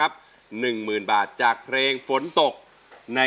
รับราคาคุณดาว